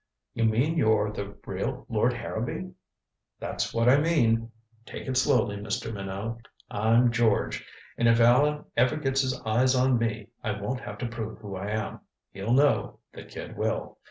"You mean you're the real Lord Harrowby?" "That's what I mean take it slowly, Mr. Minot. I'm George, and if Allan ever gets his eyes on me, I won't have to prove who I am. He'll know, the kid will.